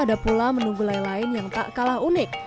ada pula menu gulai lain yang tak kalah unik